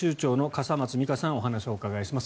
笠松美香さんにお話をお伺いします。